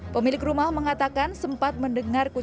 pemilik rumah mengatakan sempat mendengar keputusan